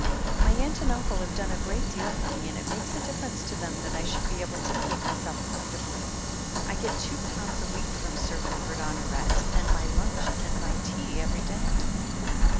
"My aunt and uncle have done a great deal for me, and it makes a difference to them that I should be able to keep myself comfortably. I get two pounds a week from Sir Rupert Honoret, and my Itmch and my tea every day."